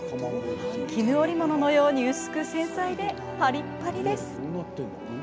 絹織物のように薄く繊細でパリッパリです。